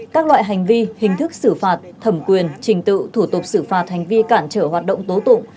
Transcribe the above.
các loại hành vi hình thức xử phạt thẩm quyền trình tự thủ tục xử phạt hành vi cản trở hoạt động tố tụng